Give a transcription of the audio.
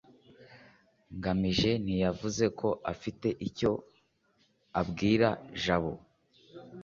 ngamije ntiyavuze ko afite icyo abwira jabo